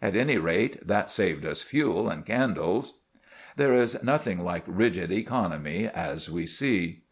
At any rate, that saved us fuel and candles." There is nothing like rigid economy, as we see.